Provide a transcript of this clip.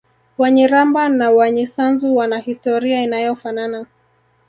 Wanyiramba na Wanyisanzu wana historia inayofanana